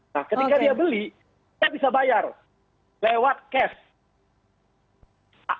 nah ketika dia beli dia bisa bayar lewat cash